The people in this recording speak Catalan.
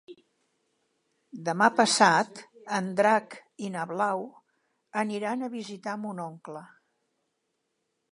Demà passat en Drac i na Blau aniran a visitar mon oncle.